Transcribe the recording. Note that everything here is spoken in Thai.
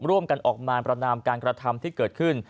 ร่วมกันออกมาประนามการกระทำที่เกิดขึ้น